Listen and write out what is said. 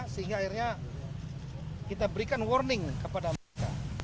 sehingga akhirnya kita berikan warning kepada mereka